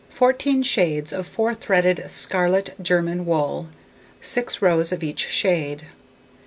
Fourteen shades of four threaded scarlet German wool, 6 rows of each shade.